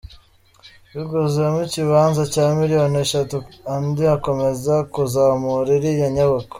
Baguzemo ikibanza cya miliyoni eshatu andi akomeza kuzamura iriya nyubako.